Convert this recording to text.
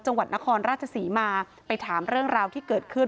จังหวัดนครราชศรีมาไปถามเรื่องราวที่เกิดขึ้น